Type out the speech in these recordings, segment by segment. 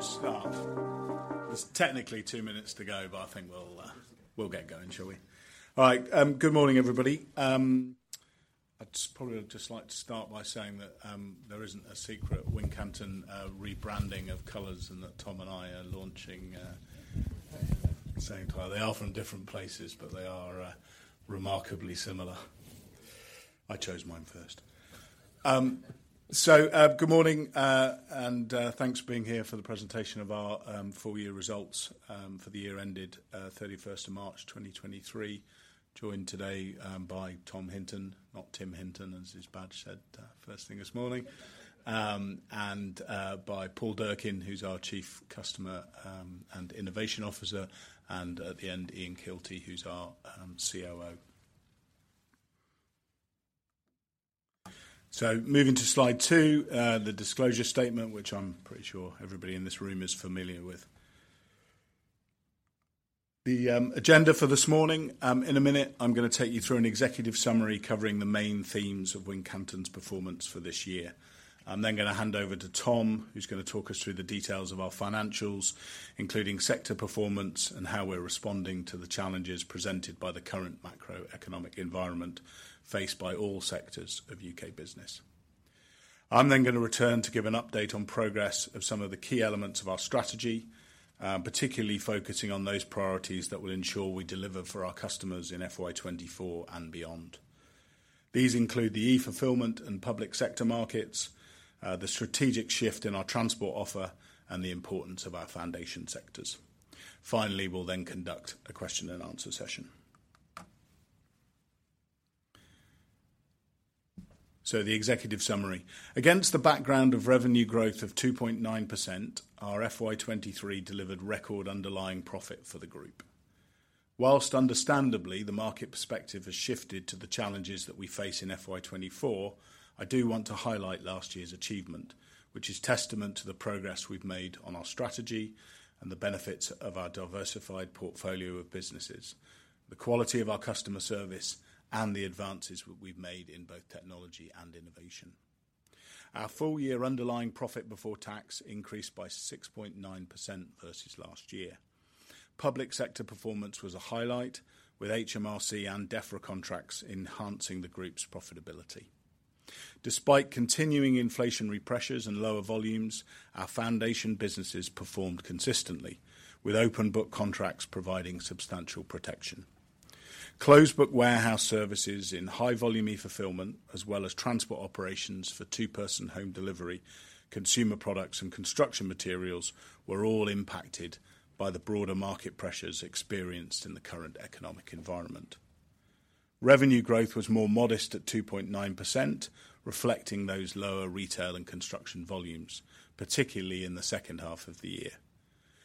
Can we just start? There's technically 2 minutes to go. I think we'll get going, shall we? All right, good morning, everybody. I'd probably just like to start by saying that there isn't a secret Wincanton rebranding of colors, and that Tom and I are launching at the same time. They are from different places, but they are remarkably similar. I chose mine first. Good morning, and thanks for being here for the presentation of our full year results for the year ended 31st of March, 2023. Joined today by Tom Hinton, not Tom Hinton, as his badge said first thing this morning. By Paul Durkin, who's our Chief Customer and Innovation Officer, and at the end, Ian Keilty, who's our COO. Moving to slide two, the disclosure statement, which I'm pretty sure everybody in this room is familiar with. The agenda for this morning, in a minute, I'm gonna take you through an executive summary covering the main themes of Wincanton's performance for this year. Gonna hand over to Tom, who's gonna talk us through the details of our financials, including sector performance and how we're responding to the challenges presented by the current macroeconomic environment faced by all sectors of U.K. business. Gonna return to give an update on progress of some of the key elements of our strategy, particularly focusing on those priorities that will ensure we deliver for our customers in FY 2024 and beyond. These include the e-fulfillment and public sector markets, the strategic shift in our transport offer, and the importance of our foundation sectors. We'll then conduct a question and answer session. The executive summary. Against the background of revenue growth of 2.9%, our FY 2023 delivered record underlying profit for the group. Whilst understandably, the market perspective has shifted to the challenges that we face in FY 2024, I do want to highlight last year's achievement, which is testament to the progress we've made on our strategy and the benefits of our diversified portfolio of businesses, the quality of our customer service, and the advances we've made in both technology and innovation. Our full year underlying profit before tax increased by 6.9% versus last year. Public sector performance was a highlight with HMRC and Defra contracts enhancing the group's profitability. Despite continuing inflationary pressures and lower volumes, our foundation businesses performed consistently with open book contracts providing substantial protection. Closed book warehouse services in high volume e-fulfillment, as well as transport operations for two-person home delivery, consumer products, and construction materials, were all impacted by the broader market pressures experienced in the current economic environment. Revenue growth was more modest at 2.9%, reflecting those lower retail and construction volumes, particularly in the second half of the year.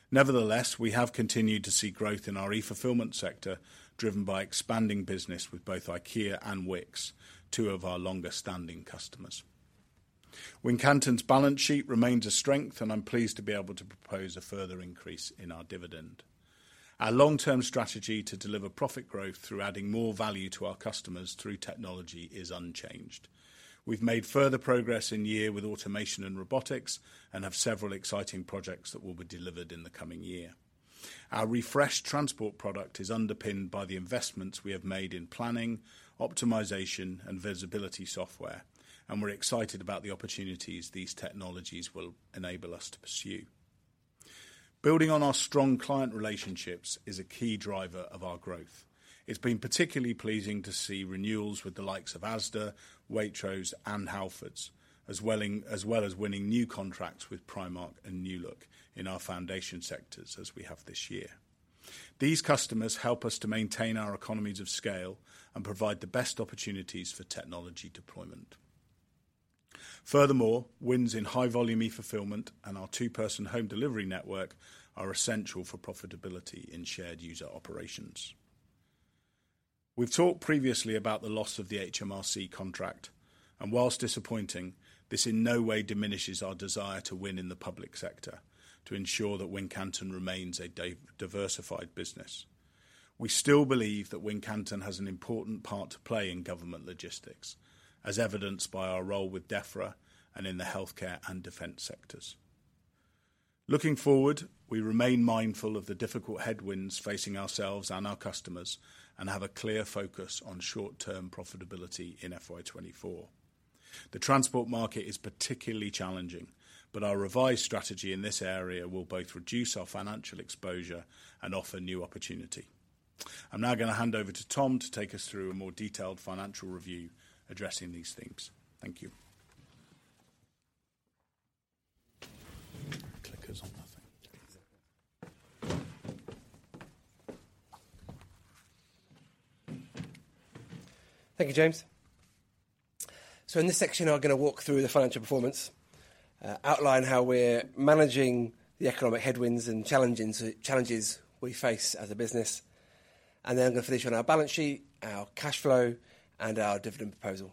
Nevertheless, we have continued to see growth in our e-fulfillment sector, driven by expanding business with both IKEA and Wickes, two of our longer-standing customers. Wincanton's balance sheet remains a strength, and I'm pleased to be able to propose a further increase in our dividend. Our long-term strategy to deliver profit growth through adding more value to our customers through technology is unchanged. We've made further progress in year with automation and robotics and have several exciting projects that will be delivered in the coming year. Our refreshed transport product is underpinned by the investments we have made in planning, optimization, and visibility software, and we're excited about the opportunities these technologies will enable us to pursue. Building on our strong client relationships is a key driver of our growth. It's been particularly pleasing to see renewals with the likes of Asda, Waitrose, and Halfords, as well as winning new contracts with Primark and New Look in our foundation sectors as we have this year. These customers help us to maintain our economies of scale and provide the best opportunities for technology deployment. Furthermore, wins in high volume e-fulfillment and our two-person home delivery network are essential for profitability in shared user operations. We've talked previously about the loss of the HMRC contract. Whilst disappointing, this in no way diminishes our desire to win in the public sector to ensure that Wincanton remains a diversified business. We still believe that Wincanton has an important part to play in government logistics, as evidenced by our role with Defra and in the healthcare and defense sectors. Looking forward, we remain mindful of the difficult headwinds facing ourselves and our customers and have a clear focus on short-term profitability in FY 2024. The transport market is particularly challenging. Our revised strategy in this area will both reduce our financial exposure and offer new opportunity. I'm now gonna hand over to Tom to take us through a more detailed financial review addressing these things. Thank you. Clicker's on that thing. Thank you, James. In this section, I'm gonna walk through the financial performance, outline how we're managing the economic headwinds and challenges we face as a business, and then I'm gonna finish on our balance sheet, our cash flow, and our dividend proposal.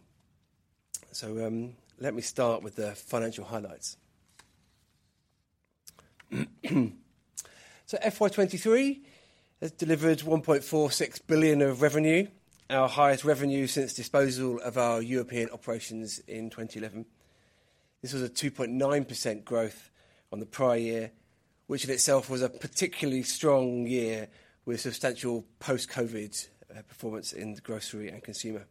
Let me start with the financial highlights. FY23 has delivered 1.46 billion of revenue, our highest revenue since disposal of our European operations in 2011. This was a 2.9% growth on the prior year, which in itself was a particularly strong year with substantial post-Covid performance in the grocery and consumer.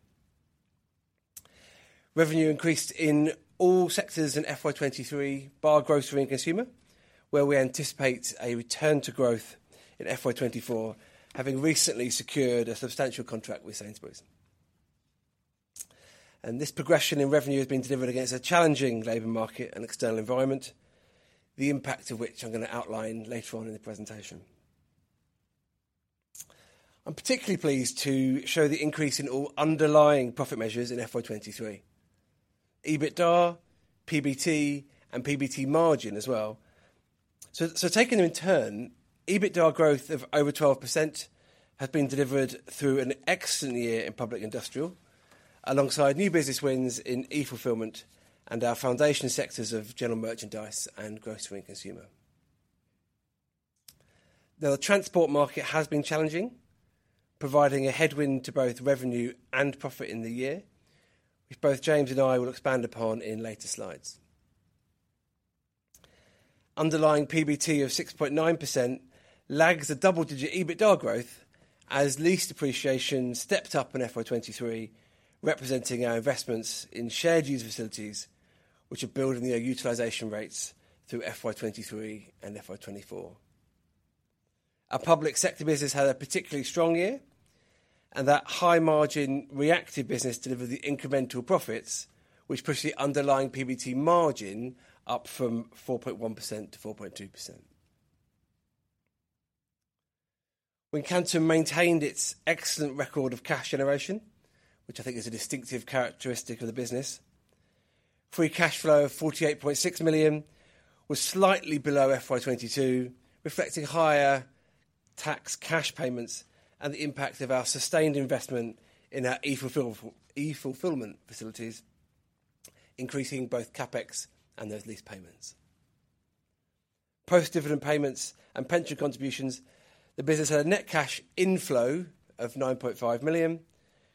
Revenue increased in all sectors in FY23, bar Grocery and Consumer, where we anticipate a return to growth in FY24, having recently secured a substantial contract with Sainsbury's. This progression in revenue has been delivered against a challenging labor market and external environment, the impact of which I'm going to outline later on in the presentation. I'm particularly pleased to show the increase in all underlying profit measures in FY 23: EBITDA, PBT, and PBT margin as well. So taken in turn, EBITDA growth of over 12% has been delivered through an excellent year in Public Industrial, alongside new business wins in e-fulfillment and our foundation sectors of general merchandise and grocery and consumer. The transport market has been challenging, providing a headwind to both revenue and profit in the year, which both James and I will expand upon in later slides. Underlying PBT of 6.9% lags the double-digit EBITDA growth as lease depreciation stepped up in FY 2023, representing our investments in shared use facilities, which are building their utilization rates through FY 2023 and FY 2024. Our public sector business had a particularly strong year, that high-margin reactive business delivered the incremental profits, which pushed the underlying PBT margin up from 4.1% to 4.2%. Wincanton maintained its excellent record of cash generation, which I think is a distinctive characteristic of the business. Free cash flow of 48.6 million was slightly below FY 2022, reflecting higher tax cash payments and the impact of our sustained investment in our e-fulfillment facilities, increasing both CapEx and those lease payments. Post-dividend payments and pension contributions, the business had a net cash inflow of 9.5 million,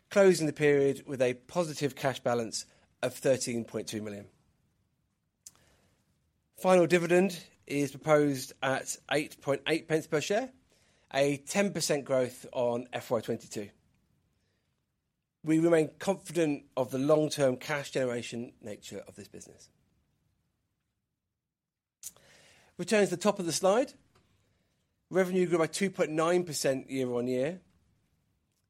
closing the period with a positive cash balance of 13.2 million. Final dividend is proposed at 8.8 pence per share, a 10% growth on FY22. We remain confident of the long-term cash generation nature of this business. Returning to the top of the slide, revenue grew by 2.9%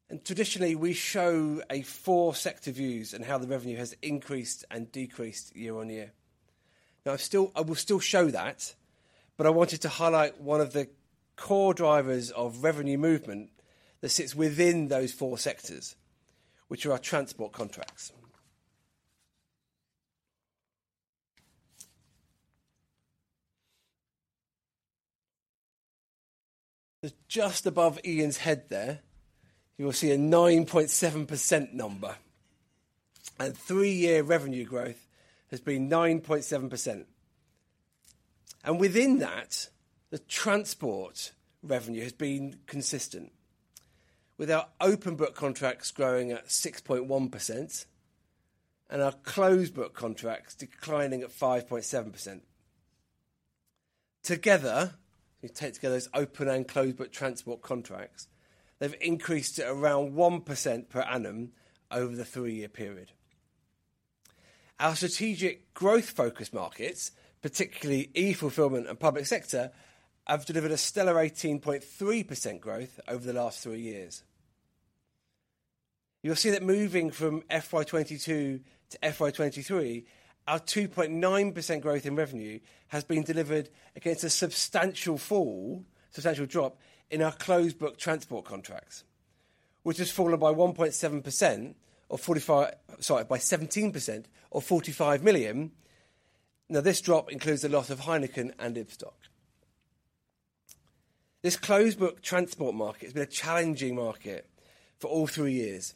year-on-year. Traditionally, we show a four-sector views on how the revenue has increased and decreased year-on-year. I will still show that, but I wanted to highlight one of the core drivers of revenue movement that sits within those four sectors, which are our transport contracts. Just above Ian's head there, you will see a 9.7% number, and 3-year revenue growth has been 9.7%. Within that, the transport revenue has been consistent, with our open book contracts growing at 6.1% and our closed book contracts declining at 5.7%. Together, if you take together those open and closed book transport contracts, they've increased at around 1% per annum over the 3-year period. Our strategic growth focus markets, particularly e-fulfillment and public sector, have delivered a stellar 18.3% growth over the last 3 years. You'll see that moving from FY22 to FY23, our 2.9% growth in revenue has been delivered against a substantial fall, substantial drop in our closed book transport contracts, which has fallen by 1.7% or 45 Sorry, by 17% or 45 million. This drop includes the loss of Heineken and Ibstock. This closed book transport market has been a challenging market for all three years,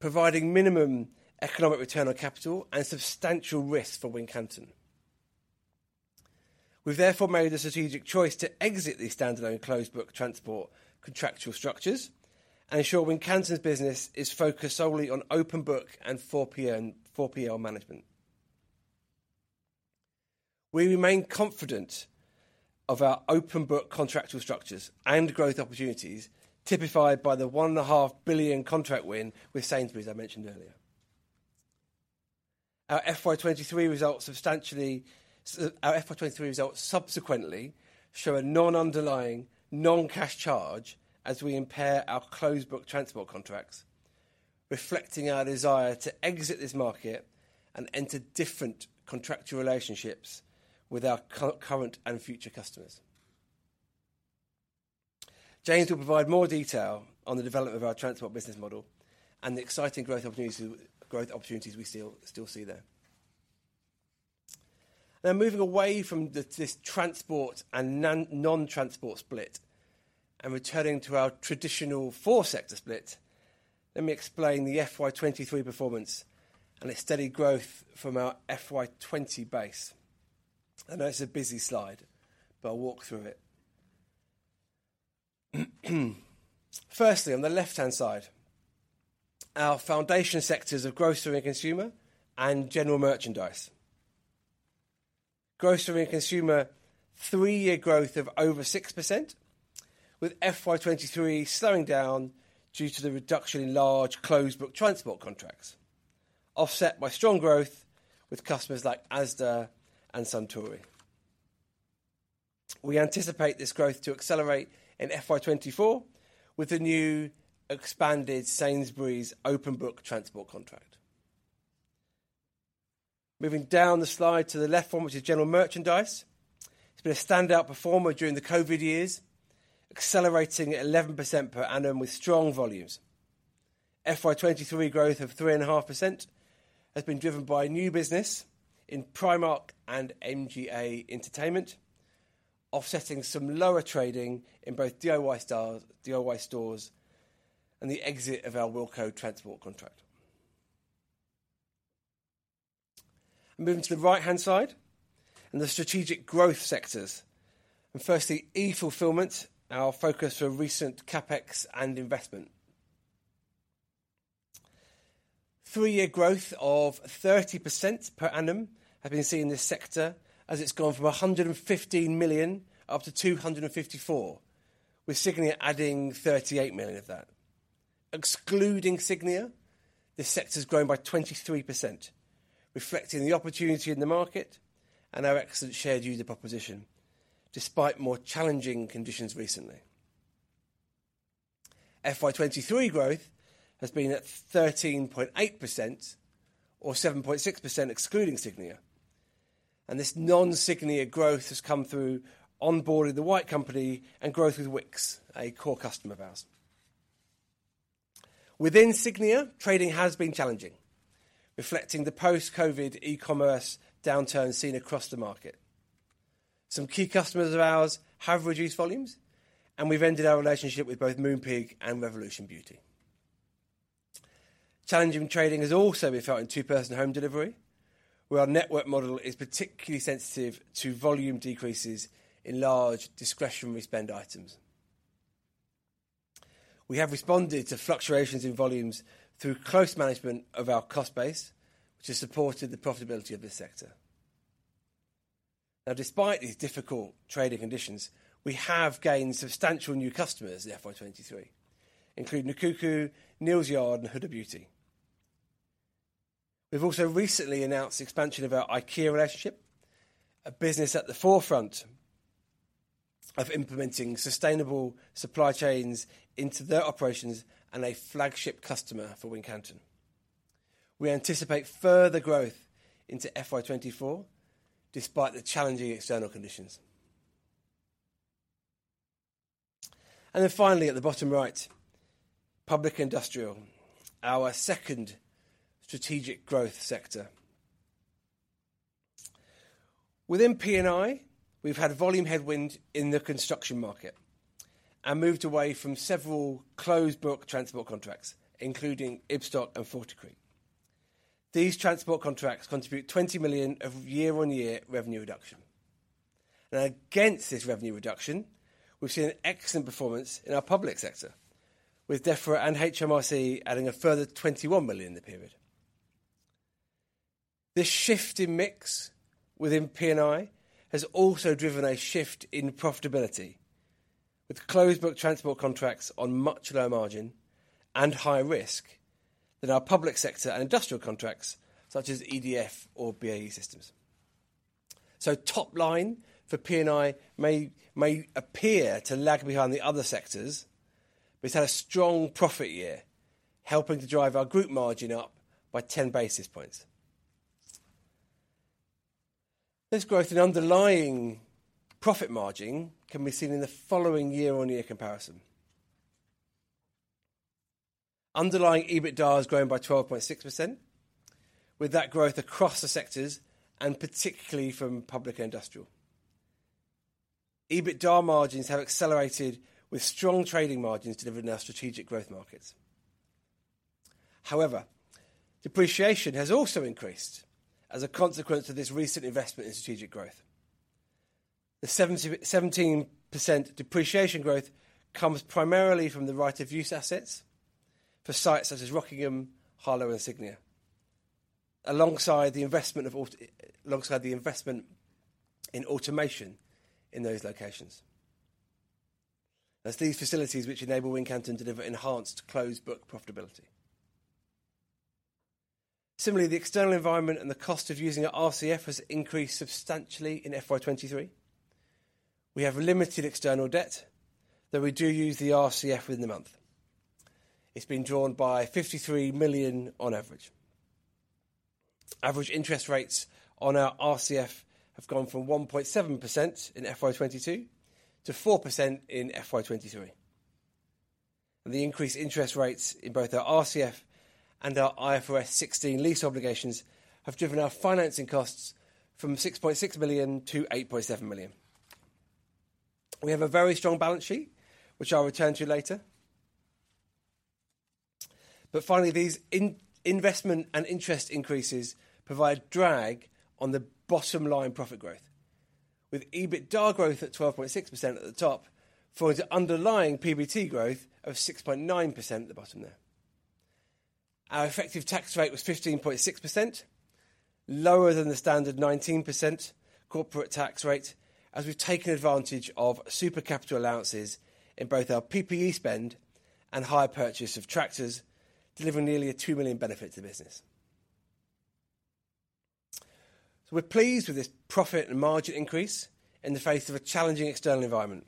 providing minimum economic return on capital and substantial risk for Wincanton. We've therefore made the strategic choice to exit the standalone closed book transport contractual structures and ensure Wincanton's business is focused solely on open book and 4PL management. We remain confident of our open book contractual structures and growth opportunities, typified by the one and a half billion contract win with Sainsbury's I mentioned earlier. Our FY 2023 results subsequently show a non-underlying non-cash charge as we impair our closed book transport contracts, reflecting our desire to exit this market and enter different contractual relationships with our current and future customers. James will provide more detail on the development of our transport business model and the exciting growth opportunities we still see there. Moving away from this transport and non-transport split, and returning to our traditional four-sector split. Let me explain the FY 23 performance and its steady growth from our FY 20 base. I know it's a busy slide. I'll walk through it. Firstly, on the left-hand side, our foundation sectors of grocery and consumer and general merchandise. Grocery and consumer three-year growth of over 6% with FY 23 slowing down due to the reduction in large closed book transport contracts, offset by strong growth with customers like Asda and Suntory. We anticipate this growth to accelerate in FY 24 with the new expanded Sainsbury's open book transport contract. Moving down the slide to the left one, which is general merchandise. It's been a standout performer during the COVID years, accelerating at 11% per annum with strong volumes. FY 2023 growth of 3.5% has been driven by new business in Primark and MGA Entertainment, offsetting some lower trading in both DIY stores, and the exit of our Wilko transport contract. Moving to the right-hand side and the strategic growth sectors. Firstly, e-fulfillment, our focus for recent CapEx and investment. Three-year growth of 30% per annum have been seen in this sector as it's gone from 115 million up to 254 million, with Cygnia adding 38 million of that. Excluding Cygnia, this sector's grown by 23%, reflecting the opportunity in the market and our excellent shared user proposition, despite more challenging conditions recently. FY 2023 growth has been at 13.8% or 7.6% excluding Cygnia. This non-Cygnia growth has come through onboarding The White Company and growth with Wickes, a core customer of ours. Within Cygnia, trading has been challenging, reflecting the post-Covid e-commerce downturn seen across the market. Some key customers of ours have reduced volumes. We've ended our relationship with both Moonpig and Revolution Beauty. Challenging trading has also been felt in two-person home delivery, where our network model is particularly sensitive to volume decreases in large discretionary spend items. We have responded to fluctuations in volumes through close management of our cost base, which has supported the profitability of this sector. Despite these difficult trading conditions, we have gained substantial new customers in FY 2023, including Nkuku, Neal's Yard, and Huda Beauty. We've also recently announced the expansion of our IKEA relationship, a business at the forefront of implementing sustainable supply chains into their operations and a flagship customer for Wincanton. We anticipate further growth into FY 2024 despite the challenging external conditions. Finally, at the bottom right, public industrial, our second strategic growth sector. Within P&I, we've had volume headwind in the construction market and moved away from several closed book transport contracts, including Ibstock and Forticrete. These transport contracts contribute 20 million of year-on-year revenue reduction. Against this revenue reduction, we've seen excellent performance in our public sector, with DEFRA and HMRC adding a further 21 million in the period. This shift in mix within P&I has also driven a shift in profitability, with closed book transport contracts on much lower margin and high risk than our public sector and industrial contracts, such as EDF or BAE Systems. Top line for P&I may appear to lag behind the other sectors, but it's had a strong profit year, helping to drive our group margin up by 10 basis points. This growth in underlying profit margin can be seen in the following year-over-year comparison. Underlying EBITDA has grown by 12.6%, with that growth across the sectors and particularly from public industrial. EBITDA margins have accelerated with strong trading margins delivered in our strategic growth markets. However, depreciation has also increased as a consequence of this recent investment in strategic growth. The 17% depreciation growth comes primarily from the right of use assets for sites such as Rockingham, Harlow, and Cygnia, alongside the investment in automation in those locations. As these facilities which enable Wincanton to deliver enhanced closed book profitability. Similarly, the external environment and the cost of using our RCF has increased substantially in FY 2023. We have limited external debt, though we do use the RCF within the month. It's been drawn by 53 million on average. Average interest rates on our RCF have gone from 1.7% in FY 2022 to 4% in FY 2023. The increased interest rates in both our RCF and our IFRS 16 lease obligations have driven our financing costs from 6.6 million to 8.7 million. We have a very strong balance sheet, which I'll return to later. Finally, these in-investment and interest increases provide drag on the bottom-line profit growth with EBITDA growth at 12.6% at the top for its underlying PBT growth of 6.9% at the bottom there. Our effective tax rate was 15.6%, lower than the standard 19% corporate tax rate as we've taken advantage of super capital allowances in both our PPE spend and higher purchase of tractors, delivering nearly a 2 million benefit to the business. We're pleased with this profit and margin increase in the face of a challenging external environment.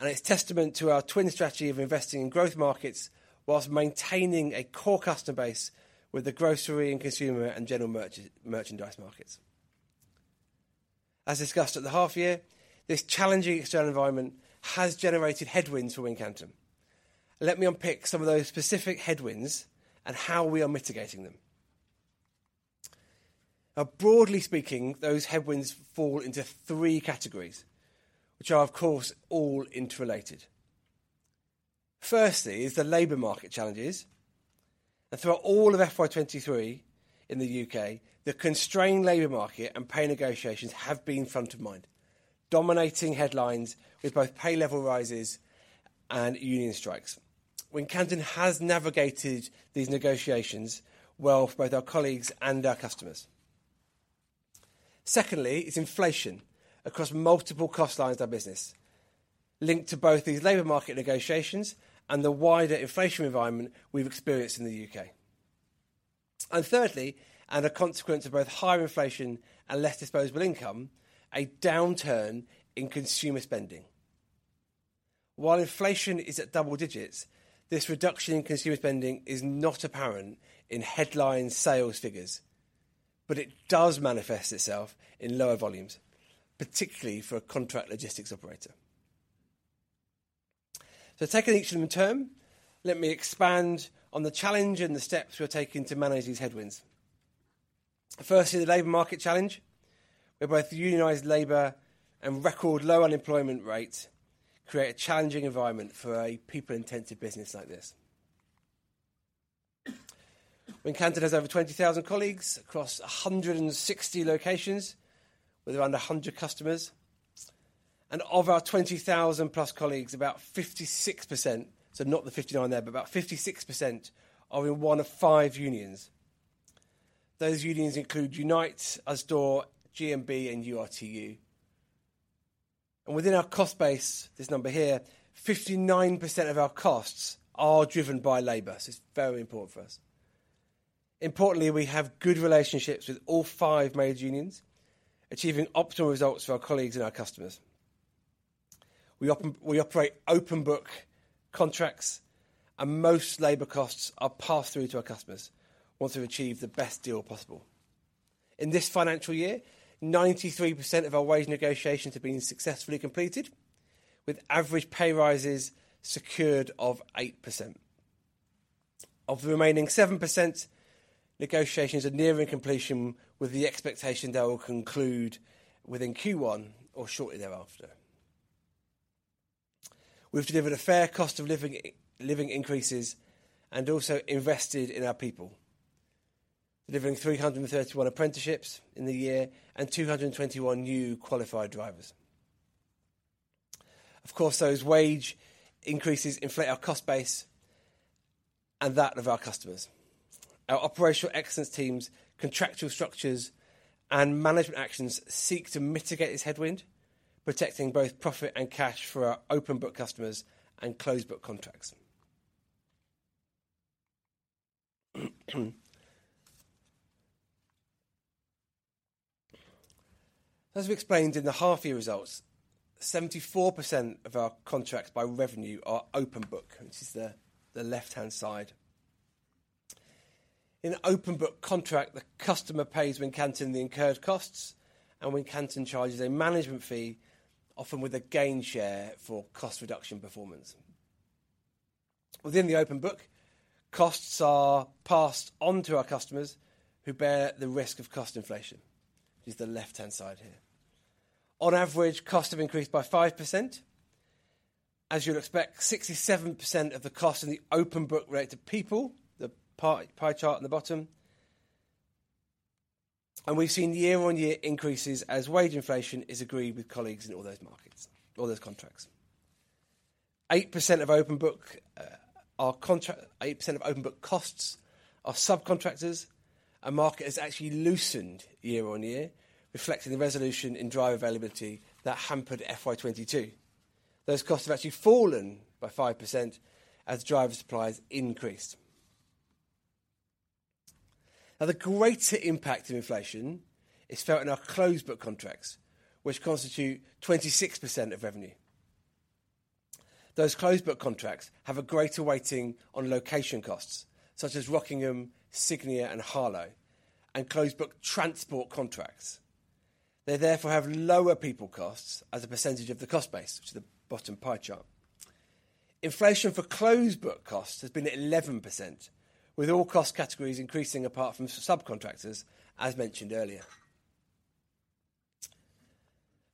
It's testament to our twin strategy of investing in growth markets whilst maintaining a core customer base with the grocery and consumer and general merchandise markets. As discussed at the half year, this challenging external environment has generated headwinds for Wincanton. Let me unpick some of those specific headwinds and how we are mitigating them. Broadly speaking, those headwinds fall into three categories, which are, of course, all interrelated. Firstly is the labor market challenges, and throughout all of FY 23 in the U.K., the constrained labor market and pay negotiations have been front of mind, dominating headlines with both pay level rises and union strikes. Wincanton has navigated these negotiations well for both our colleagues and our customers. Secondly, it's inflation across multiple cost lines of our business, linked to both these labor market negotiations and the wider inflation environment we've experienced in the U.K. Thirdly, and a consequence of both higher inflation and less disposable income, a downturn in consumer spending. While inflation is at double digits, this reduction in consumer spending is not apparent in headline sales figures, but it does manifest itself in lower volumes, particularly for a contract logistics operator. Taking each of them in turn, let me expand on the challenge and the steps we're taking to manage these headwinds. Firstly, the labor market challenge, where both unionized labor and record low unemployment rates create a challenging environment for a people-intensive business like this. Wincanton has over 20,000 colleagues across 160 locations with around 100 customers. Of our 20,000+ colleagues, about 56%, so not the 59 there, but about 56% are in 1 of 5 unions. Those unions include Unite, Usdaw, GMB and URTU. Within our cost base, this number here, 59% of our costs are driven by labor, so it's very important for us. Importantly, we have good relationships with all five major unions, achieving optimal results for our colleagues and our customers. We operate open book contracts, and most labor costs are passed through to our customers once we've achieved the best deal possible. In this financial year, 93% of our wage negotiations have been successfully completed, with average pay rises secured of 8%. Of the remaining 7%, negotiations are nearing completion with the expectation they will conclude within Q1 or shortly thereafter. We've delivered a fair cost of living increases and also invested in our people, delivering 331 apprenticeships in the year and 221 new qualified drivers. Of course, those wage increases inflate our cost base and that of our customers. Our operational excellence teams, contractual structures, and management actions seek to mitigate this headwind, protecting both profit and cash for our open book customers and closed book contracts. As we explained in the half year results, 74% of our contracts by revenue are open book, which is the left-hand side. In an open book contract, the customer pays Wincanton the incurred costs, and Wincanton charges a management fee, often with a gain share for cost reduction performance. Within the open book, costs are passed on to our customers who bear the risk of cost inflation. Which is the left-hand side here. On average, costs have increased by 5%. As you'd expect, 67% of the cost in the open book relate to people, the pie chart on the bottom. We've seen the year-on-year increases as wage inflation is agreed with colleagues in all those markets, all those contracts. 8% of open book costs are subcontractors. Our market has actually loosened year on year, reflecting the resolution in driver availability that hampered FY 2022. Those costs have actually fallen by 5% as driver supplies increased. The greater impact of inflation is felt in our closed book contracts, which constitute 26% of revenue. Those closed book contracts have a greater weighting on location costs, such as Rockingham, Cygnia and Harlow, and closed book transport contracts. They therefore have lower people costs as a percentage of the cost base, which is the bottom pie chart. Inflation for closed book costs has been at 11%, with all cost categories increasing apart from subcontractors, as mentioned earlier.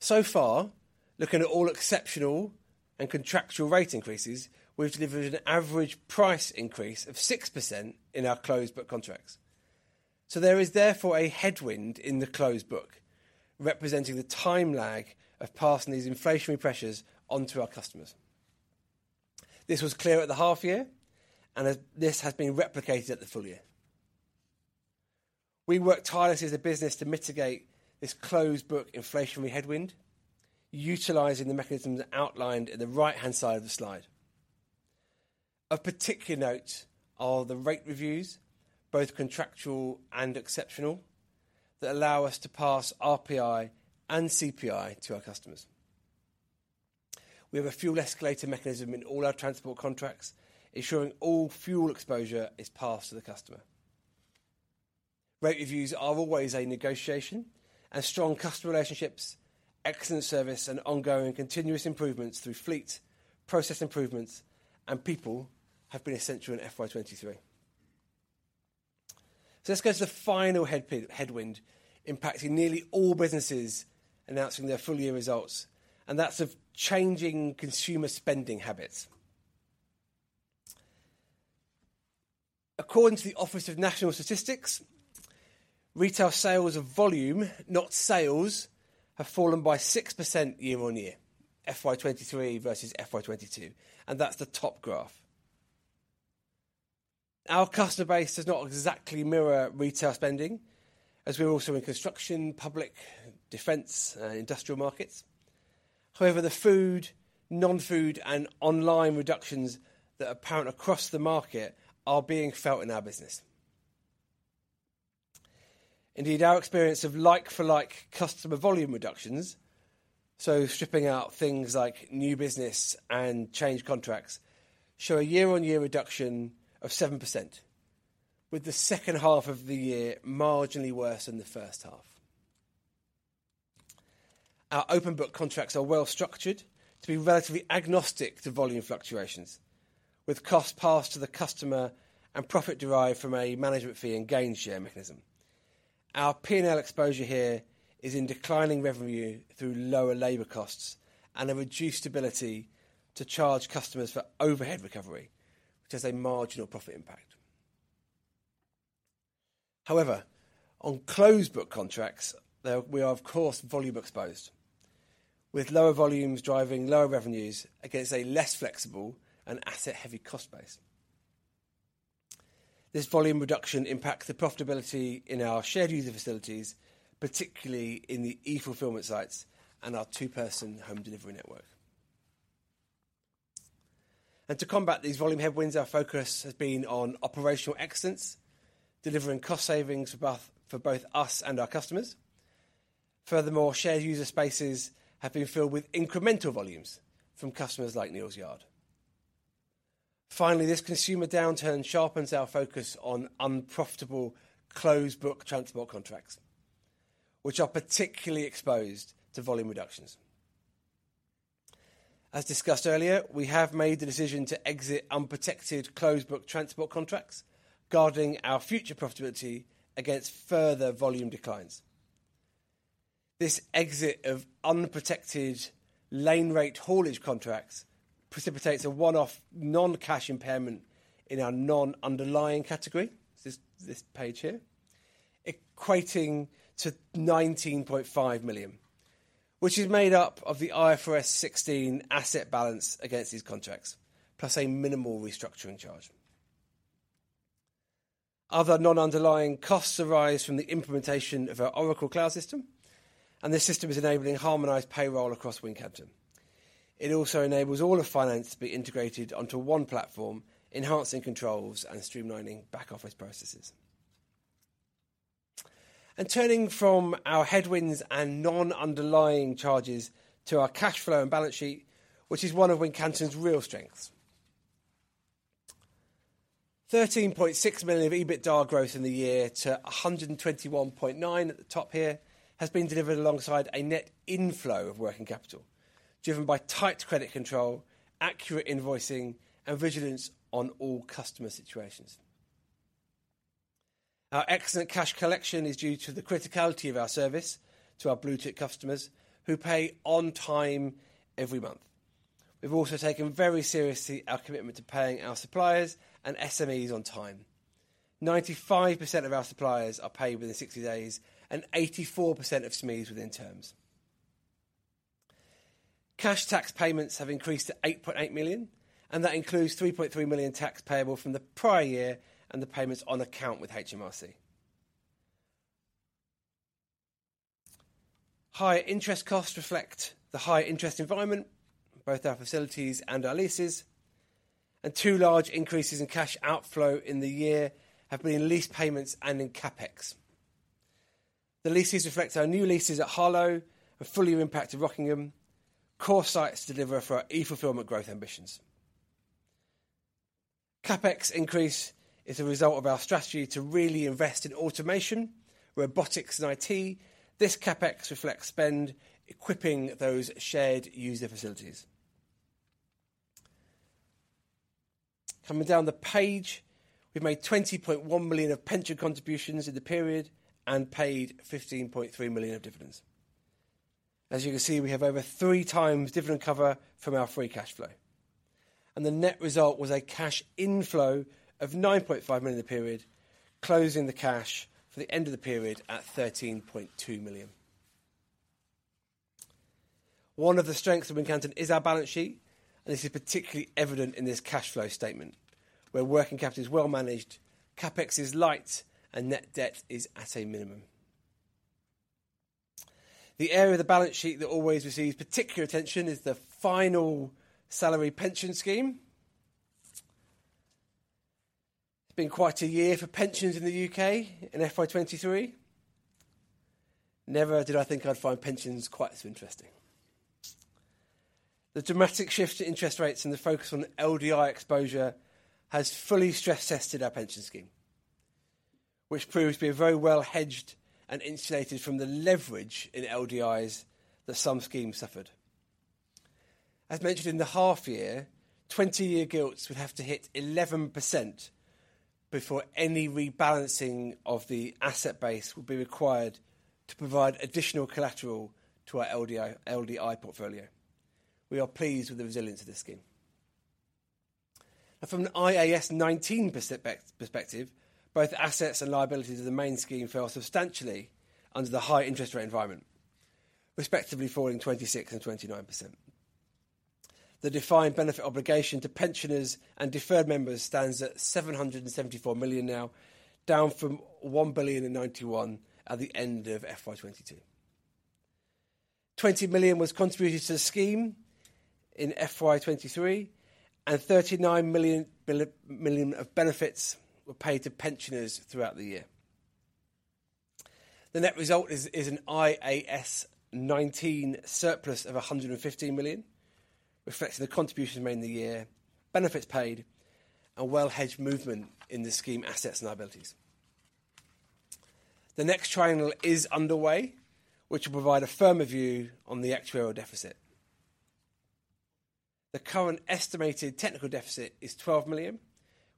Far, looking at all exceptional and contractual rate increases, we've delivered an average price increase of 6% in our closed book contracts. There is therefore a headwind in the closed book, representing the time lag of passing these inflationary pressures onto our customers. This was clear at the half year, and this has been replicated at the full year. We worked tirelessly as a business to mitigate this closed book inflationary headwind, utilizing the mechanisms outlined in the right-hand side of the slide. Of particular note are the rate reviews, both contractual and exceptional, that allow us to pass RPI and CPI to our customers. We have a fuel escalator mechanism in all our transport contracts, ensuring all fuel exposure is passed to the customer. Rate reviews are always a negotiation, strong customer relationships, excellent service, and ongoing continuous improvements through fleet, process improvements, and people have been essential in FY 2023. Let's go to the final headwind impacting nearly all businesses announcing their full-year results, and that's of changing consumer spending habits. According to the Office for National Statistics, retail sales of volume, not sales, have fallen by 6% year on year, FY 2023 versus FY 2022, that's the top graph. Our customer base does not exactly mirror retail spending, as we're also in construction, public, defense, and industrial markets. However, the food, non-food, and online reductions that are apparent across the market are being felt in our business. Indeed, our experience of like-for-like customer volume reductions, so stripping out things like new business and changed contracts, show a year-on-year reduction of 7%, with the second half of the year marginally worse than the first half. Our open book contracts are well structured to be relatively agnostic to volume fluctuations, with costs passed to the customer and profit derived from a management fee and gain share mechanism. Our P&L exposure here is in declining revenue through lower labor costs and a reduced ability to charge customers for overhead recovery, which has a marginal profit impact. However, on closed book contracts, we are of course, volume exposed, with lower volumes driving lower revenues against a less flexible and asset-heavy cost base. This volume reduction impacts the profitability in our shared user facilities, particularly in the e-fulfillment sites and our two-person home delivery network. To combat these volume headwinds, our focus has been on operational excellence, delivering cost savings for both us and our customers. Furthermore, shared user spaces have been filled with incremental volumes from customers like Neal's Yard. Finally, this consumer downturn sharpens our focus on unprofitable closed book transport contracts, which are particularly exposed to volume reductions. As discussed earlier, we have made the decision to exit unprotected closed book transport contracts, guarding our future profitability against further volume declines. This exit of unprotected lane rate haulage contracts precipitates a one-off non-cash impairment in our non-underlying category. This is this page here. Equating to 19.5 million, which is made up of the IFRS 16 asset balance against these contracts, plus a minimal restructuring charge. Other non-underlying costs arise from the implementation of our Oracle Cloud system, and this system is enabling harmonized payroll across Wincanton. It also enables all of finance to be integrated onto one platform, enhancing controls and streamlining back-office processes. Turning from our headwinds and non-underlying charges to our cash flow and balance sheet, which is one of Wincanton's real strengths. 13.6 million of EBITDA growth in the year to 121.9 million, at the top here, has been delivered alongside a net inflow of working capital, driven by tight credit control, accurate invoicing, and vigilance on all customer situations. Our excellent cash collection is due to the criticality of our service to our blue-tick customers, who pay on time every month. We've also taken very seriously our commitment to paying our suppliers and SMEs on time. 95% of our suppliers are paid within 60 days, and 84% of SMEs within terms. Cash tax payments have increased to 8.8 million. That includes 3.3 million tax payable from the prior year and the payments on account with HMRC. High interest costs reflect the high interest environment, both our facilities and our leases. Two large increases in cash outflow in the year have been in lease payments and in CapEx. The leases reflect our new leases at Harlow, a full year impact of Rockingham, core sites to deliver for our e-fulfillment growth ambitions. CapEx increase is a result of our strategy to really invest in automation, robotics, and IT. This CapEx reflects spend equipping those shared user facilities. Coming down the page, we've made 20.1 million of pension contributions in the period and paid 15.3 million of dividends. As you can see, we have over 3x dividend cover from our free cashflow. The net result was a cash inflow of 9.5 million in the period, closing the cash for the end of the period at 13.2 million. One of the strengths of Wincanton is our balance sheet, and this is particularly evident in this cash flow statement, where working capital is well managed, CapEx is light, and net debt is at a minimum. The area of the balance sheet that always receives particular attention is the final salary pension scheme. It's been quite a year for pensions in the U.K. in FY 2023. Never did I think I'd find pensions quite so interesting. The dramatic shift in interest rates and the focus on LDI exposure has fully stress-tested our pension scheme, which proves to be very well hedged and insulated from the leverage in LDIs that some schemes suffered. As mentioned in the half year, 20-year gilts would have to hit 11% before any rebalancing of the asset base would be required to provide additional collateral to our LDI portfolio. We are pleased with the resilience of this scheme. From the IAS 19 perspective, both assets and liabilities of the main scheme fell substantially under the high interest rate environment, respectively falling 26% and 29%. The defined benefit obligation to pensioners and deferred members stands at 774 million now, down from 1,091 million at the end of FY 2022. 20 million was contributed to the scheme in FY 2023, and 39 million of benefits were paid to pensioners throughout the year. The net result is an IAS 19 surplus of 115 million, reflecting the contributions made in the year, benefits paid, and well-hedged movement in the scheme assets and liabilities. The next triennial is underway, which will provide a firmer view on the actuarial deficit. The current estimated technical deficit is 12 million,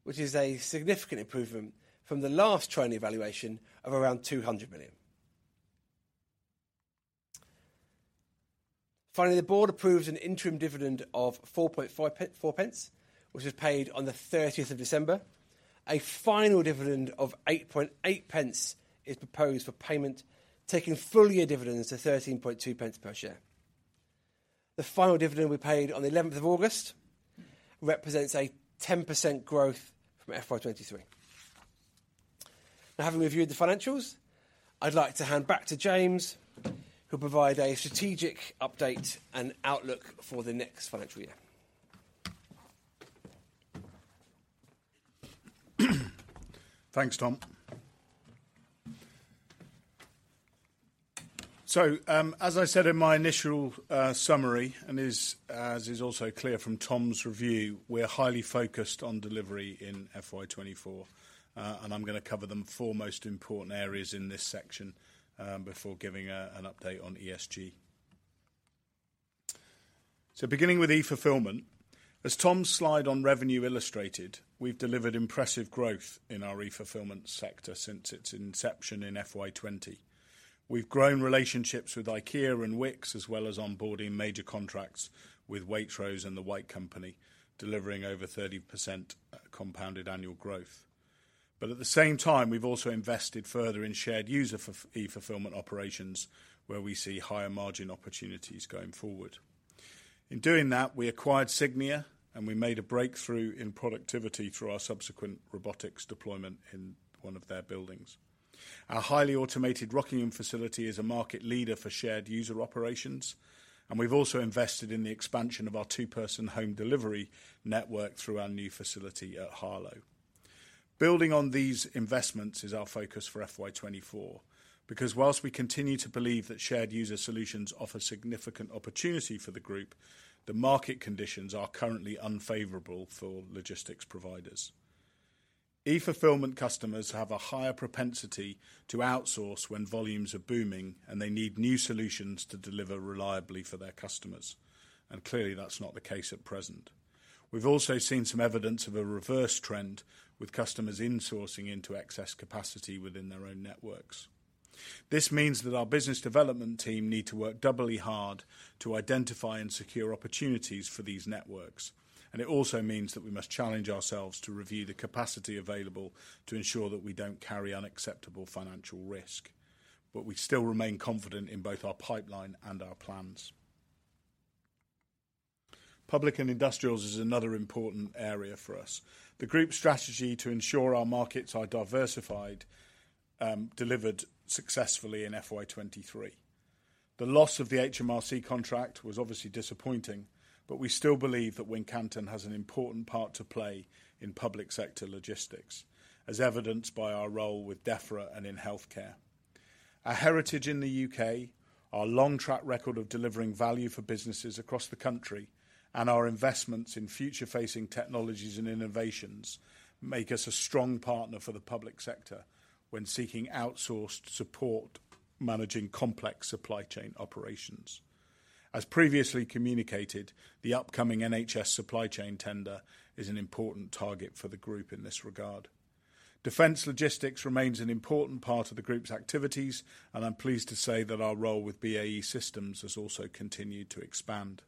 which is a significant improvement from the last triennial evaluation of around 200 million. Finally, the board approved an interim dividend of 4.5 pence, which was paid on the 30th of December. A final dividend of 8.8 pence is proposed for payment, taking full-year dividends to 13.2 pence per share. The final dividend we paid on the 11th of August represents a 10% growth from FY 2023. Having reviewed the financials, I'd like to hand back to James, who'll provide a strategic update and outlook for the next financial year. Thanks, Tom. As I said in my initial summary, as is also clear from Tom's review, we're highly focused on delivery in FY 2024. I'm going to cover the 4 most important areas in this section before giving an update on ESG. Beginning with e-fulfillment, as Tom's slide on revenue illustrated, we've delivered impressive growth in our e-fulfillment sector since its inception in FY 20. We've grown relationships with IKEA and Wickes, as well as onboarding major contracts with Waitrose and The White Company, delivering over 30% compounded annual growth. At the same time, we've also invested further in shared user e-fulfillment operations, where we see higher margin opportunities going forward. In doing that, we acquired Cygnia, and we made a breakthrough in productivity through our subsequent robotics deployment in one of their buildings. Our highly automated Rockingham facility is a market leader for shared user operations, and we've also invested in the expansion of our two-person home delivery network through our new facility at Harlow. Building on these investments is our focus for FY 24 because while we continue to believe that shared user solutions offer significant opportunity for the group, the market conditions are currently unfavorable for logistics providers. E-fulfillment customers have a higher propensity to outsource when volumes are booming, and they need new solutions to deliver reliably for their customers, and clearly, that's not the case at present. We've also seen some evidence of a reverse trend with customers insourcing into excess capacity within their own networks. This means that our business development team need to work doubly hard to identify and secure opportunities for these networks. It also means that we must challenge ourselves to review the capacity available to ensure that we don't carry unacceptable financial risk. We still remain confident in both our pipeline and our plans. Public and industrials is another important area for us. The group strategy to ensure our markets are diversified, delivered successfully in FY 2023. The loss of the HMRC contract was obviously disappointing, but we still believe that Wincanton has an important part to play in public sector logistics, as evidenced by our role with Defra and in healthcare. Our heritage in the U.K., our long track record of delivering value for businesses across the country, and our investments in future-facing technologies and innovations make us a strong partner for the public sector when seeking outsourced support, managing complex supply chain operations. As previously communicated, the upcoming NHS Supply Chain tender is an important target for the group in this regard. Defense logistics remains an important part of the group's activities. I'm pleased to say that our role with BAE Systems has also continued to expand.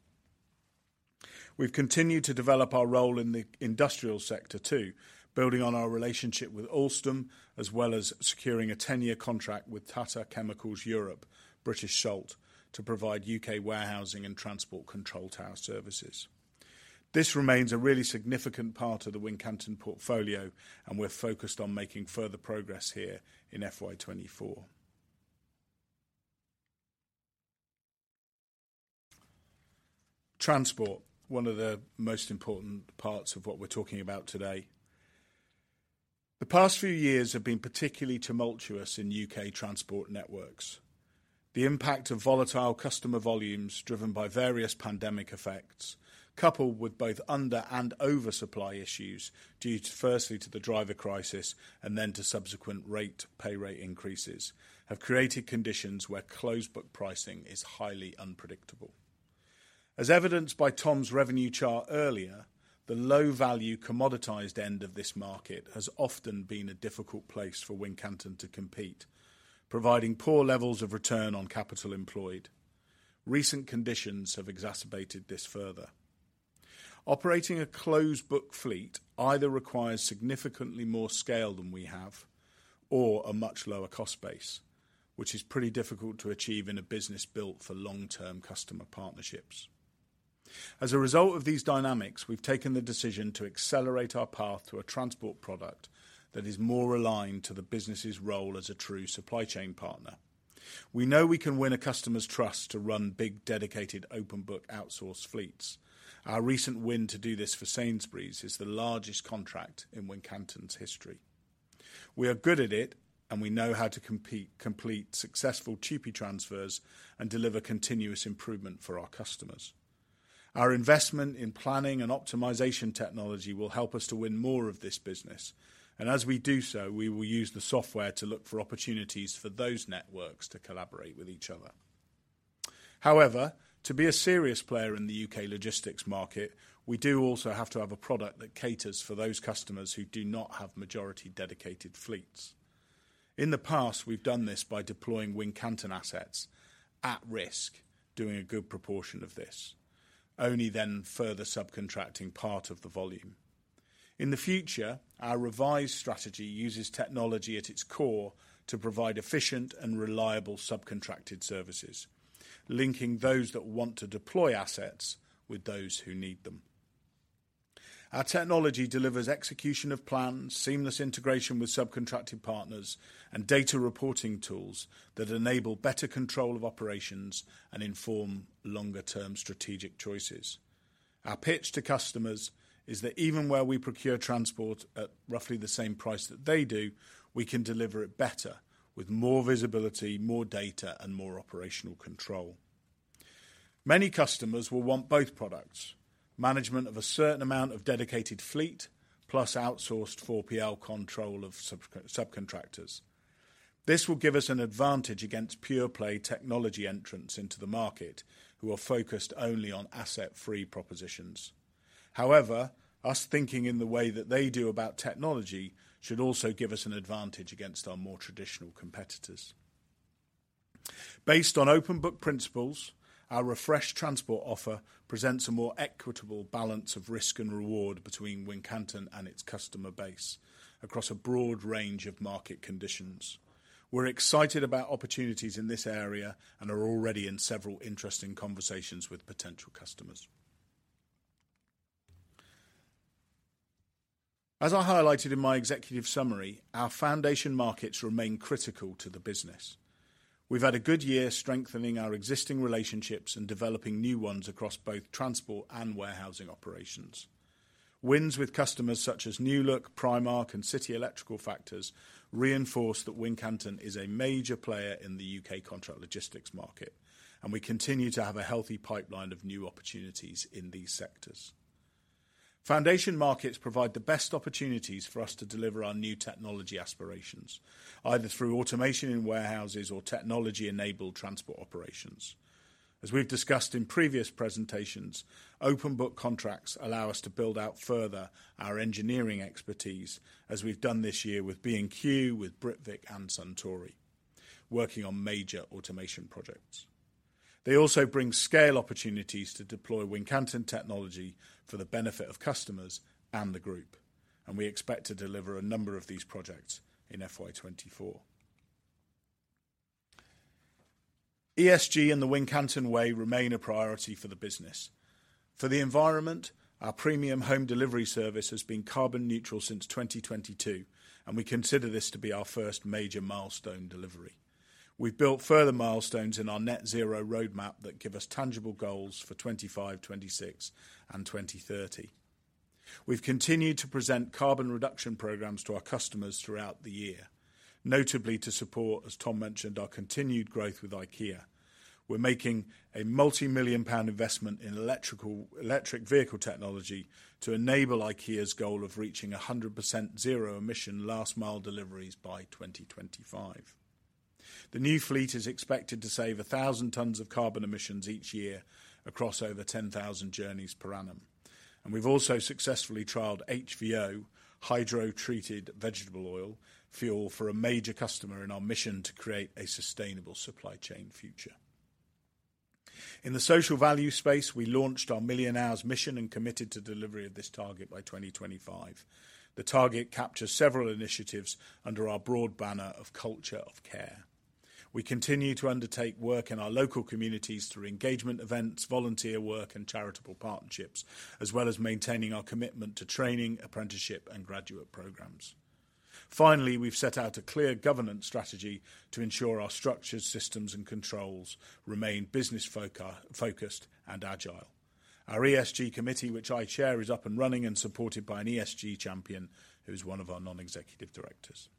We've continued to develop our role in the industrial sector too, building on our relationship with Alstom, as well as securing a 10-year contract with Tata Chemicals Europe, British Salt, to provide U.K. warehousing and transport control tower services. This remains a really significant part of the Wincanton portfolio, and we're focused on making further progress here in FY 2024. Transport, one of the most important parts of what we're talking about today. The past few years have been particularly tumultuous in U.K. transport networks. The impact of volatile customer volumes driven by various pandemic effects, coupled with both under and oversupply issues due to firstly to the driver crisis and then to subsequent pay rate increases, have created conditions where closed book pricing is highly unpredictable. As evidenced by Tom's revenue chart earlier, the low value commoditized end of this market has often been a difficult place for Wincanton to compete, providing poor levels of return on capital employed. Recent conditions have exacerbated this further. Operating a closed book fleet either requires significantly more scale than we have or a much lower cost base, which is pretty difficult to achieve in a business built for long-term customer partnerships. As a result of these dynamics, we've taken the decision to accelerate our path to a transport product that is more aligned to the business's role as a true supply chain partner. We know we can win a customer's trust to run big, dedicated open book outsource fleets. Our recent win to do this for Sainsbury's is the largest contract in Wincanton's history. We are good at it and we know how to complete successful TUPE transfers and deliver continuous improvement for our customers. Our investment in planning and optimization technology will help us to win more of this business, and as we do so, we will use the software to look for opportunities for those networks to collaborate with each other. However, to be a serious player in the U.K. logistics market, we do also have to have a product that caters for those customers who do not have majority dedicated fleets. In the past, we've done this by deploying Wincanton assets at risk, doing a good proportion of this, only then further subcontracting part of the volume. In the future, our revised strategy uses technology at its core to provide efficient and reliable subcontracted services, linking those that want to deploy assets with those who need them. Our technology delivers execution of plans, seamless integration with subcontracted partners, and data reporting tools that enable better control of operations and inform longer term strategic choices. Our pitch to customers is that even where we procure transport at roughly the same price that they do, we can deliver it better with more visibility, more data, and more operational control. Many customers will want both products, management of a certain amount of dedicated fleet plus outsourced 4PL control of sub-subcontractors. This will give us an advantage against pure play technology entrants into the market who are focused only on asset-free propositions. However, us thinking in the way that they do about technology should also give us an advantage against our more traditional competitors. Based on open book principles, our refreshed transport offer presents a more equitable balance of risk and reward between Wincanton and its customer base across a broad range of market conditions. We're excited about opportunities in this area and are already in several interesting conversations with potential customers. As I highlighted in my executive summary, our foundation markets remain critical to the business. We've had a good year strengthening our existing relationships and developing new ones across both transport and warehousing operations. Wins with customers such as New Look, Primark, and City Electrical Factors reinforce that Wincanton is a major player in the U.K. contract logistics market, and we continue to have a healthy pipeline of new opportunities in these sectors. Foundation markets provide the best opportunities for us to deliver our new technology aspirations, either through automation in warehouses or technology-enabled transport operations. As we've discussed in previous presentations, open book contracts allow us to build out further our engineering expertise, as we've done this year with B&Q, with Britvic, and Suntory, working on major automation projects. They also bring scale opportunities to deploy Wincanton technology for the benefit of customers and the group, and we expect to deliver a number of these projects in FY 2024. ESG and the Wincanton Way remain a priority for the business. For the environment, our premium home delivery service has been carbon neutral since 2022, and we consider this to be our first major milestone delivery. We've built further milestones in our net zero roadmap that give us tangible goals for 2025, 2026, and 2030. We've continued to present carbon reduction programs to our customers throughout the year, notably to support, as Tom mentioned, our continued growth with IKEA. We're making a multi-million GBP investment in electric vehicle technology to enable IKEA's goal of reaching 100% zero emission last mile deliveries by 2025. The new fleet is expected to save 1,000 tons of carbon emissions each year across over 10,000 journeys per annum. We've also successfully trialed HVO, Hydrotreated Vegetable Oil, fuel for a major customer in our mission to create a sustainable supply chain future. In the social value space, we launched our Million Hours Mission and committed to delivery of this target by 2025. The target captures several initiatives under our broad banner of culture of care. We continue to undertake work in our local communities through engagement events, volunteer work, and charitable partnerships, as well as maintaining our commitment to training, apprenticeship, and graduate programs. We've set out a clear governance strategy to ensure our structures, systems, and controls remain business focused and agile. Our ESG committee, which I chair, is up and running and supported by an ESG champion who is one of our non-executive directors.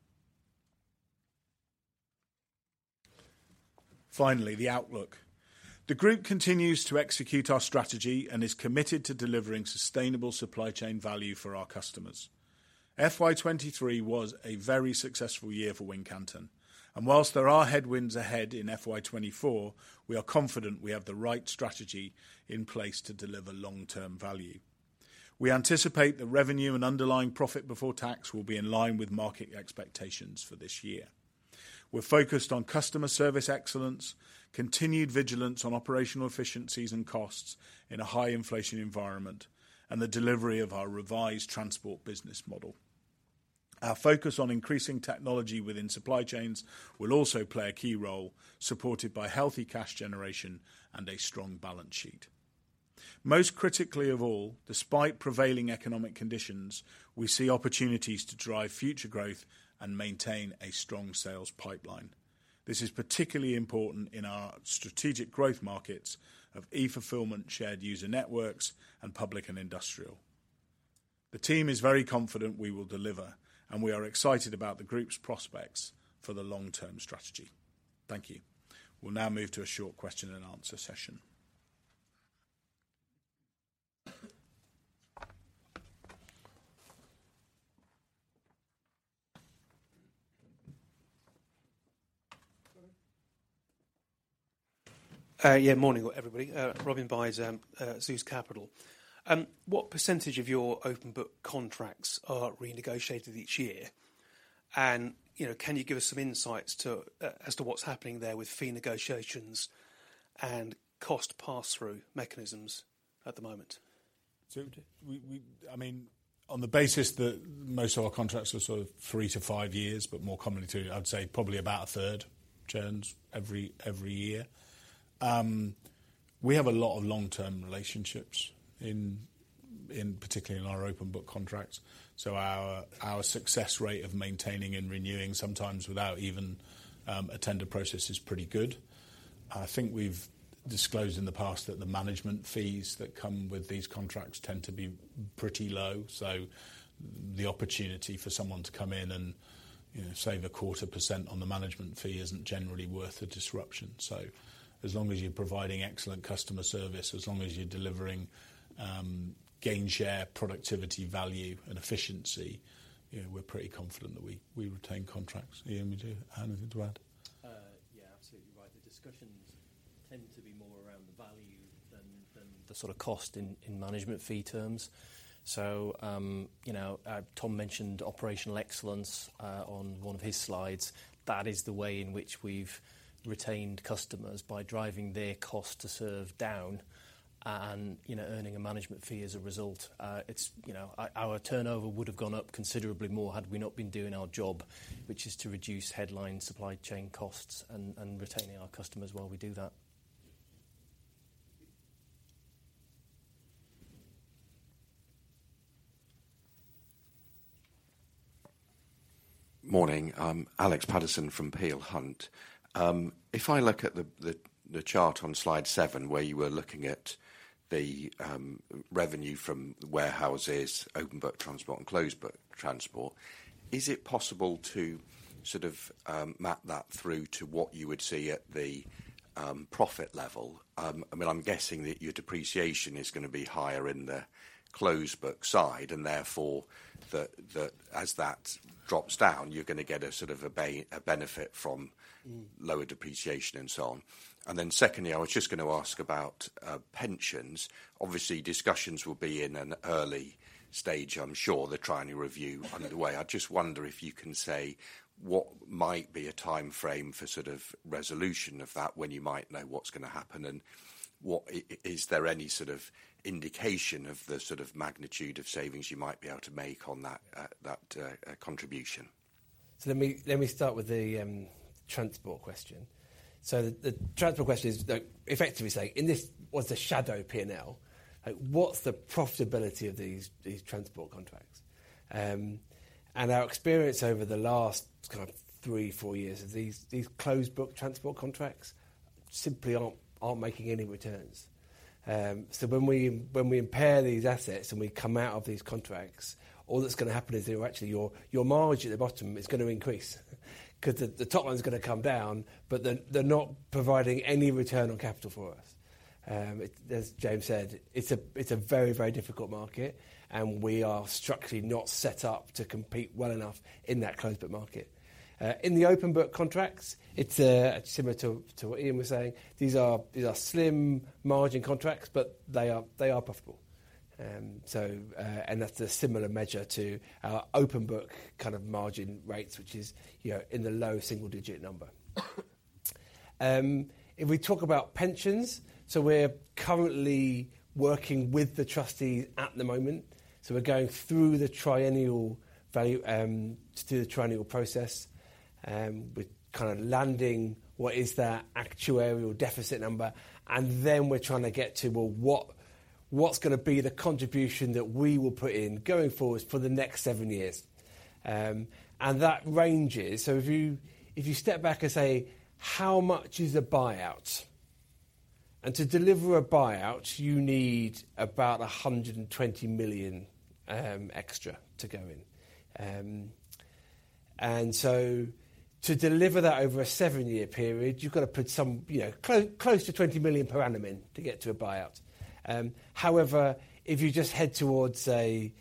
The outlook. The group continues to execute our strategy and is committed to delivering sustainable supply chain value for our customers. FY 23 was a very successful year for Wincanton, and whilst there are headwinds ahead in FY 24, we are confident we have the right strategy in place to deliver long-term value. We anticipate the revenue and underlying profit before tax will be in line with market expectations for this year. We're focused on customer service excellence, continued vigilance on operational efficiencies and costs in a high inflation environment, and the delivery of our revised transport business model. Our focus on increasing technology within supply chains will also play a key role, supported by healthy cash generation and a strong balance sheet. Most critically of all, despite prevailing economic conditions, we see opportunities to drive future growth and maintain a strong sales pipeline. This is particularly important in our strategic growth markets of e-Fulfilment, shared user networks, and public and industrial. The team is very confident we will deliver, and we are excited about the group's prospects for the long-term strategy. Thank you. We'll now move to a short question and answer session. Yeah. Morning, everybody. Robin Byde, Zeus Capital. What percentage of your open book contracts are renegotiated each year? You know, can you give us some insights to as to what's happening there with fee negotiations and cost pass-through mechanisms at the moment? On the basis that most of our contracts are sort of 3-5 years, but more commonly 2 year, I'd say probably about a third turns every year. We have a lot of long-term relationships in, particularly in our open book contracts, so our success rate of maintaining and renewing, sometimes without even a tender process, is pretty good. I think we've disclosed in the past that the management fees that come with these contracts tend to be pretty low, so the opportunity for someone to come in and save a quarter percent on the management fee isn't generally worth the disruption. As long as you're providing excellent customer service, as long as you're delivering gain share, productivity, value and efficiency, we're pretty confident that we retain contracts. Ian, would you have anything to add? Yeah, absolutely right. The discussions tend to be more around the value than the sort of cost in management fee terms. You know, Tom Hinton mentioned operational excellence on one of his slides. That is the way in which we've retained customers, by driving their cost to serve down and, you know, earning a management fee as a result. It's, you know, our turnover would have gone up considerably more had we not been doing our job, which is to reduce headline supply chain costs and retaining our customers while we do that. Morning. I'm Alex Paterson from Peel Hunt. If I look at the chart on slide seven, where you were looking at the revenue from warehouses, open book transport, and closed book transport, is it possible to sort of map that through to what you would see at the profit level? I mean, I'm guessing that your depreciation is gonna be higher in the closed book side, and therefore as that drops down, you're gonna get a sort of a benefit from lower depreciation and so on. Secondly, I was just gonna ask about pensions. Obviously, discussions will be in an early stage, I'm sure, the triennial review underway. I just wonder if you can say what might be a timeframe for sort of resolution of that, when you might know what's gonna happen, and what is there any sort of indication of the sort of magnitude of savings you might be able to make on that that contribution? Let me start with the transport question. The transport question is, though, effectively saying, in this, what's the shadow P&L? What's the profitability of these transport contracts? Our experience over the last kind of three, four years of these closed book transport contracts. Simply aren't making any returns. When we impair these assets and we come out of these contracts, all that's gonna happen is they're actually your margin at the bottom is gonna increase 'cause the top line's gonna come down, but they're not providing any return on capital for us. As James said, it's a very, very difficult market, and we are structurally not set up to compete well enough in that closed book market. In the open book contracts, it's similar to what Ian was saying. These are slim margin contracts, but they are profitable. That's a similar measure to our open book kind of margin rates, which is, you know, in the low single digit number. If we talk about pensions, we're currently working with the trustee at the moment, we're going through the triennial value, to do the triennial process, we're kind of landing what is their actuarial deficit number, then we're trying to get to, well, what's gonna be the contribution that we will put in going forward for the next 7 years? That ranges, If you, if you step back and say, "How much is a buyout?" To deliver a buyout, you need about 120 million, extra to go in. To deliver that over a 7-year period, you've gotta put some, you know, close to 20 million per annum in to get to a buyout. However, if you just head towards a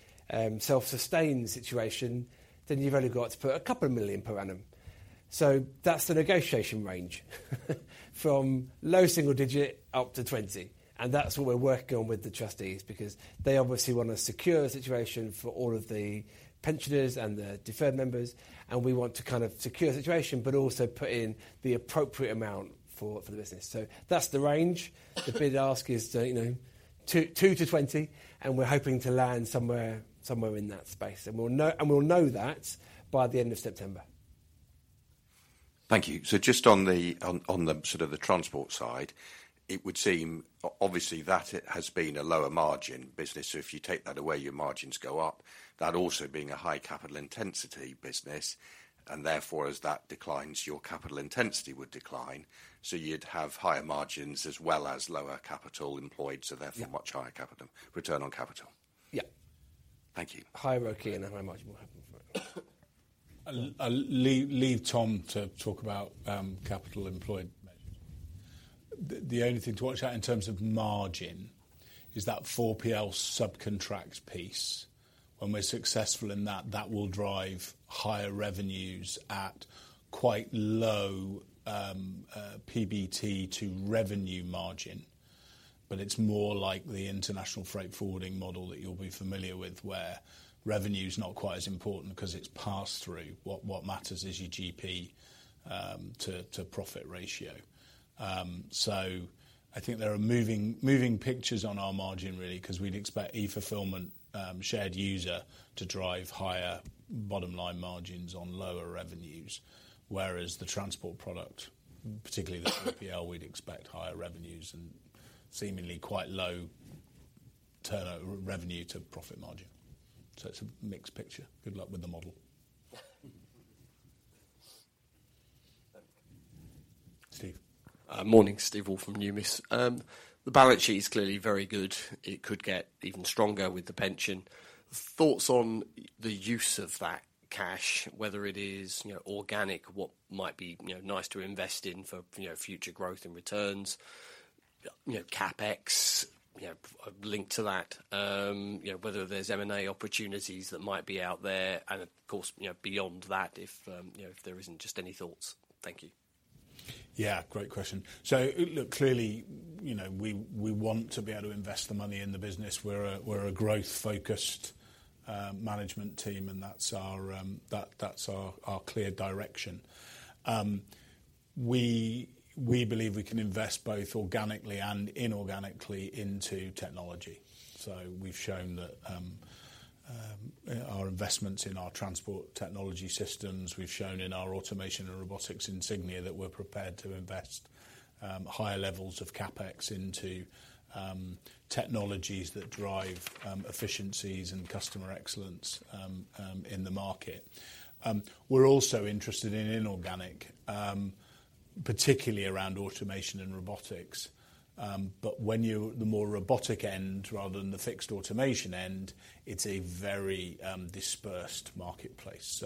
self-sustained situation, then you've only got to put a couple of million per annum. That's the negotiation range from low single-digit up to 20 million, and that's what we're working on with the trustees, because they obviously want a secure situation for all of the pensioners and the deferred members, and we want to kind of secure the situation, but also put in the appropriate amount for the business. That's the range. The bid ask is, you know, 2 million-20 million and we're hoping to land somewhere in that space. We'll know that by the end of September. Thank you. Just on the sort of the transport side, it would seem obviously that has been a lower margin business, so if you take that away, your margins go up. That also being a high capital intensity business and therefore as that declines, your capital intensity would decline, so you'd have higher margins as well as lower capital employed, so therefore much higher capital, return on capital. Yeah. Thank you. Higher ROE and a higher margin will happen from it. I'll leave Tom to talk about capital employed measures. The only thing to watch out in terms of margin is that 4PL sub-contract piece. When we're successful in that will drive higher revenues at quite low PBT to revenue margin. It's more like the international freight forwarding model that you'll be familiar with, where revenue's not quite as important 'cause it's passed through. What matters is your GP to profit ratio. I think there are moving pictures on our margin really, 'cause we'd expect e-fulfillment shared user to drive higher bottom line margins on lower revenues. Whereas the transport product, particularly the 4PL, we'd expect higher revenues and seemingly quite low revenue to profit margin. It's a mixed picture. Good luck with the model, Steve. Morning. Steve Woolf from Numis. The balance sheet is clearly very good. It could get even stronger with the pension. Thoughts on the use of that cash, whether it is, you know, organic, what might be, you know, nice to invest in for, you know, future growth and returns, you know, CapEx, you know, linked to that, whether there's M&A opportunities that might be out there and of course, you know, beyond that if, you know, if there isn't just any thoughts? Thank you. Yeah, great question. Look, clearly, you know, we want to be able to invest the money in the business. We're a growth-focused management team, and that's our clear direction. We believe we can invest both organically and inorganically into technology. We've shown that our investments in our transport technology systems, we've shown in our automation and robotics in Cygnia that we're prepared to invest higher levels of CapEx into technologies that drive efficiencies and customer excellence in the market. We're also interested in inorganic, particularly around automation and robotics. But the more robotic end rather than the fixed automation end, it's a very dispersed marketplace.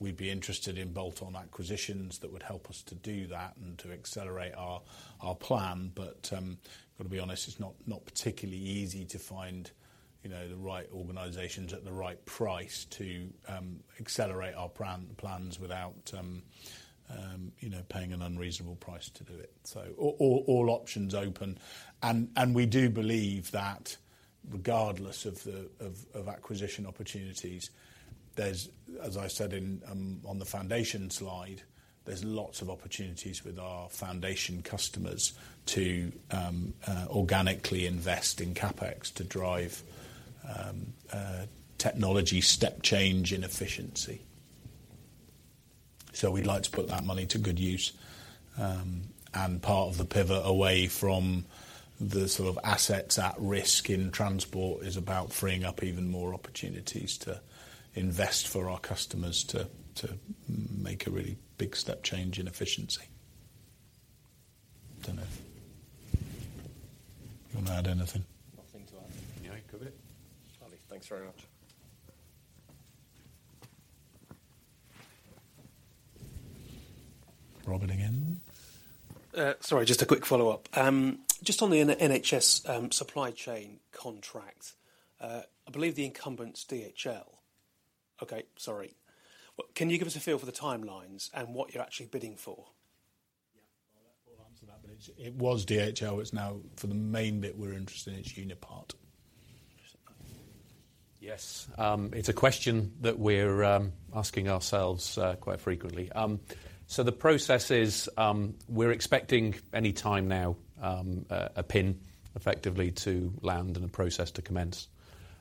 We'd be interested in bolt-on acquisitions that would help us to do that and to accelerate our plan. Gotta be honest, it's not particularly easy to find, you know, the right organizations at the right price to accelerate our plans without, you know, paying an unreasonable price to do it. All options are open. We do believe that regardless of the acquisition opportunities, there's, as I said in on the foundation slide, there's lots of opportunities with our foundation customers to organically invest in CapEx to drive technology step change in efficiency. We'd like to put that money to good use. And part of the pivot away from the sort of assets at risk in transport is about freeing up even more opportunities to invest for our customers to make a really big step change in efficiency. Don't know if you want to add anything. Nothing to add. No. Good. Thanks very much. Robin again. Sorry, just a quick follow-up. Just on the NHS Supply Chain contract, I believe the incumbent's DHL. Okay. Sorry. Can you give us a feel for the timelines and what you're actually bidding for? I'll let Paul answer that, but it's, it was DHL. It's now for the main bit we're interested in, it's Unipart. Yes. It's a question that we're asking ourselves quite frequently. The process is, we're expecting any time now a buy-in effectively to land and the process to commence.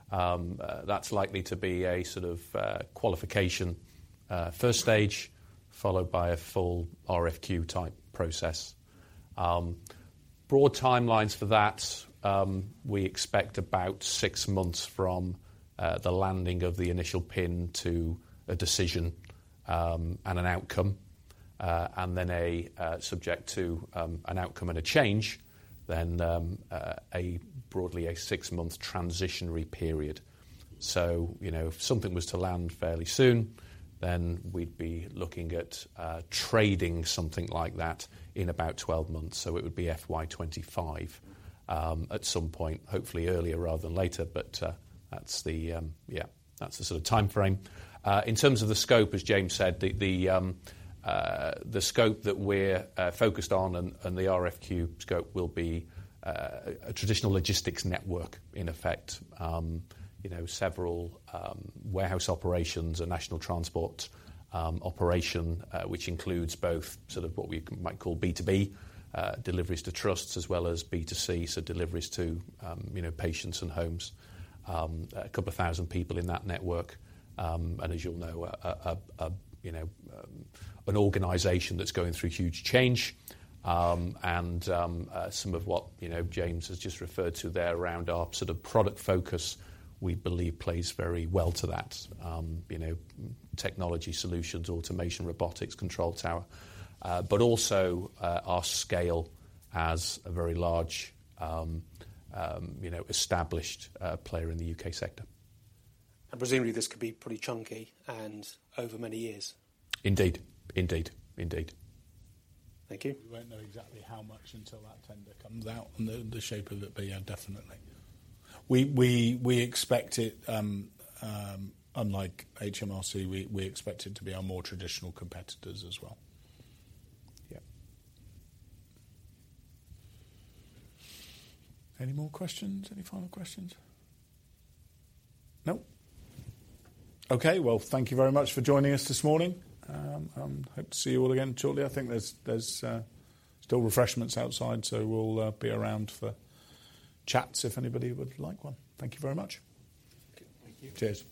That's likely to be a sort of qualification first stage, followed by a full RFQ-type process. Broad timelines for that, we expect about 6 months from the landing of the initial buy-in to a decision and an outcome. Then subject to an outcome and a change then broadly a 6-month transitionary period. You know, if something was to land fairly soon, then we'd be looking at trading something like that in about 12 months. It would be FY 2025 at some point, hopefully earlier rather than later. That's the, yeah, that's the sort of timeframe. In terms of the scope, as James said, the scope that we're focused on and the RFQ scope will be a traditional logistics network in effect. You know, several warehouse operations, a national transport operation, which includes both sort of what we might call B2B deliveries to trusts as well as B2C, so deliveries to, you know, patients and homes. A couple of 1,000 people in that network. And as you'll know, a, you know, an organization that's going through huge change, and some of what, you know, James has just referred to there around our sort of product focus, we believe plays very well to that. You know, technology solutions, automation, robotics, control tower. Also, our scale as a very large, you know, established player in the U.K. sector. Presumably this could be pretty chunky and over many years. Indeed. Indeed. Indeed. Thank you. We won't know exactly how much until that tender comes out and the shape of it. Yeah, definitely. We expect it, unlike HMRC, we expect it to be our more traditional competitors as well. Yeah. Any more questions? Any final questions? No. Okay. Well, thank you very much for joining us this morning. Hope to see you all again shortly. I think there's still refreshments outside. We'll be around for chats if anybody would like one. Thank you very much. Cheers.